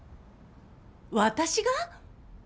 私が？